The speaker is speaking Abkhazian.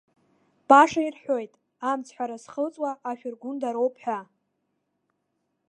Баша ирҳәоит, амцҳәара зхылҵуа ашәыргәындароуп ҳәа.